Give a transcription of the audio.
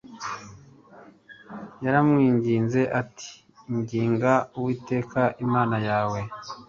Yaramwinginze ati Inginga Uwiteka Imana yawe